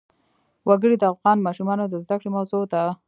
وګړي د افغان ماشومانو د زده کړې موضوع ده.